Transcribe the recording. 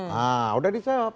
nah udah dijawab